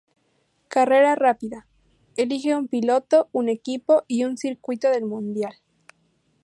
Carrera rápida: Elige un piloto, un equipo y un circuito del mundial.